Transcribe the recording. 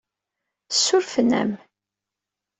Ssurfen-am.